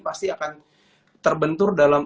pasti akan terbentur dalam